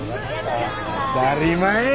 当たり前や！